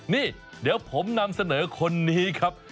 นี่เดี๋ยวผมนำเสนอคนนี้ครับ